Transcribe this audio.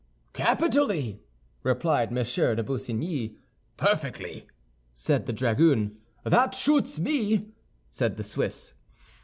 "Capitally," replied M. de Busigny. "Perfectly," said the dragoon. "That shoots me," said the Swiss.